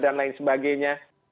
dan lain sebagainya